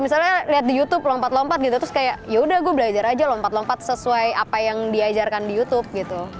misalnya lihat di youtube lompat lompat gitu terus kayak yaudah gue belajar aja lompat lompat sesuai apa yang diajarkan di youtube gitu